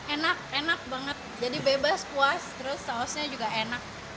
enak enak banget jadi bebas puas terus sausnya juga enak